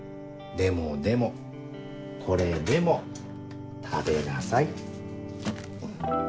でもでもこれでも食べなさい。